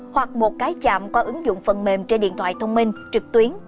hoặc một cái chạm qua ứng dụng phần mềm trên điện thoại thông minh trực tuyến